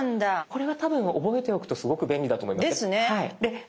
これは多分覚えておくとすごく便利だと思います。ですね。